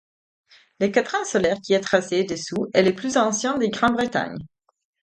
Le cadran solaire qui est tracé dessus est le plus ancien de Grande-Bretagne.